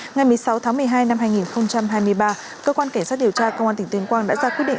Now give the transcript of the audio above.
ngày một mươi sáu tháng một mươi hai năm hai nghìn hai mươi ba cơ quan cảnh sát điều tra công an tỉnh tuyên quang đã ra quyết định